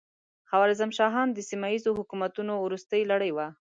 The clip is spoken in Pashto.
خوارزم شاهان د سیمه ییزو حکومتونو وروستۍ لړۍ وه.